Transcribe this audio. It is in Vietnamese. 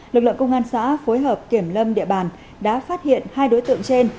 lực lượng công an xã phối hợp kiểm lâm địa bàn đã phát hiện hai đối tượng trên